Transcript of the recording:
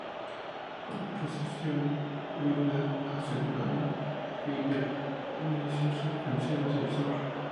Con la posesión de Gwynedd asegurada, Hywel inició su expansión hacia el sur.